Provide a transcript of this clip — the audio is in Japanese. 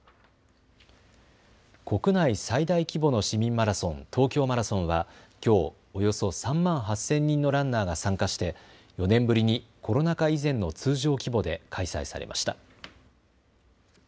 国内最大規模の市民マラソン、東京マラソンはきょうおよそ３万８０００人のランナーが参加して４年ぶりにコロナ禍以前の通常規模で開催されました。